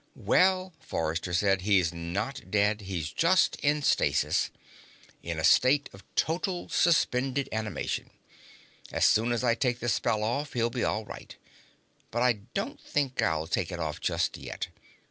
"Well," Forrester said, "he's not dead. He's just in stasis in a state of totally suspended animation. As soon as I take the spell off, he'll be all right. But I don't think I'll take it off just yet.